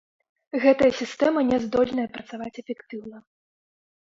Гэтая сістэма не здольная працаваць эфектыўна.